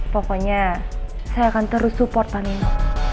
pokoknya saya akan terus support panino